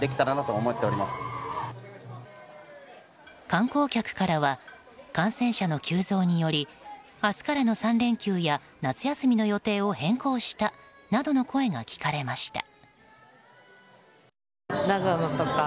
観光客からは感染者の急増により明日からの３連休や夏休みの予定を変更したなどの声が聞かれました。